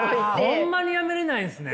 ホンマにやめれないんですね。